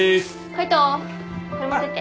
海斗これ持ってって。